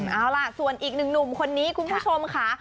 เอาล่ะส่วนอีกหนึ่งหนุ่มคนนี้คุณผู้ชมค่ะ